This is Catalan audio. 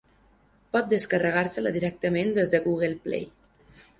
Pot descarregar-se-la directament des de Google Play.